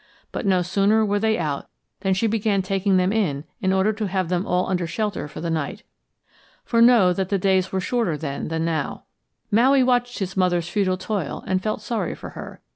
But no sooner were they out than she began taking them in in order to have them all under shelter for the night. For know that the days were shorter then than now. Maui watched his mother's futile toil and felt sorry for her.